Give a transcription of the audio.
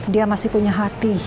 dia masih punya hati